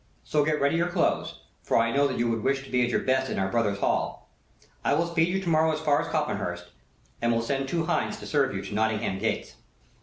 So get ready your clothes, for I know that you would wish to be at your best in our brother's hall. I will speed you to morrow so far as Copmanhurst, and will send two hinds to serve you to Nottingham gates."